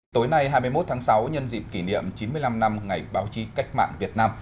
tối nay hai mươi một tháng sáu nhân dịp kỷ niệm chín mươi năm năm ngày báo chí cách mạng việt nam